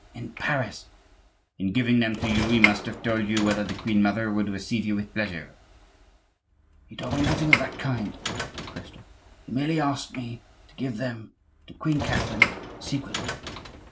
"In Paris." "In giving them to you he must have told you whether the queen mother would receive you with pleasure?" "He told me nothing of that kind," said Christophe. "He merely asked me to give them to Queen Catherine secretly."